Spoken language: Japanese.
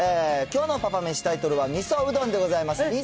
きょうのパパめし、タイトルはみそうどんでございます。